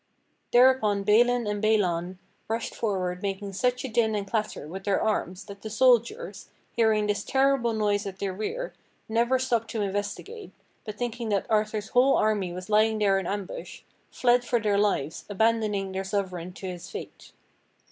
Thereupon Balin and Balan rushed forward making such a din and clatter with their arms that the soldiers, hearing this terrible noise at their rear, never stopped to investigate, but thinking that THE DOLOROUS STROKE 99 Arthur's whole army was lying there in ambush, fled for their lives, abandoning their sovereign to his fate.